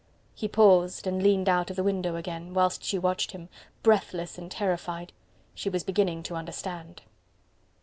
He paused and leaned out of the window again, whilst she watched him, breathless and terrified. She was beginning to understand.